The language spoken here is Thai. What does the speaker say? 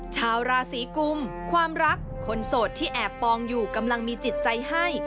ชาวราศีกุมความรักคนโสดที่แอบปองอยู่กำลังมีจิตใจให้